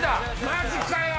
マジかよ